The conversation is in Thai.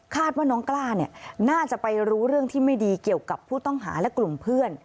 ว่าน้องกล้าเนี่ยน่าจะไปรู้เรื่องที่ไม่ดีเกี่ยวกับผู้ต้องหาและกลุ่มเพื่อน